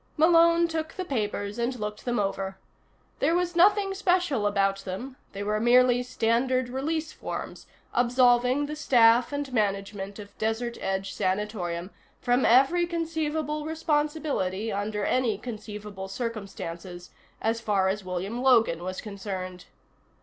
Malone took the papers and looked them over. There was nothing special about them; they were merely standard release forms, absolving the staff and management of Desert Edge Sanatorium from every conceivable responsibility under any conceivable circumstances, as far as William Logan was concerned.